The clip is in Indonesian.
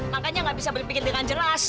makanya nggak bisa berpikir dengan jelas